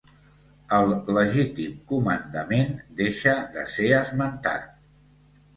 El Legítim Comandament deixa de ser esmentat.